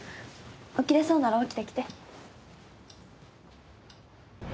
起きれそうなら起きてきて。